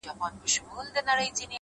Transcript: کمزوری سوئ يمه ـ څه رنگه دي ياده کړمه ـ